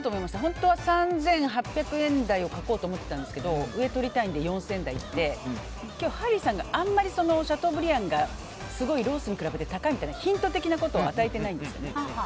本当は３８００円台を書こうと思ってたんですけど上をとりたいので４０００円台にいって今日、ハリーさんがあまりシャトーブリアンがすごい、ロースに比べて高いみたいなヒント的なことを与えていないんですよね。